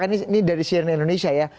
ini dari cnn indonesia ya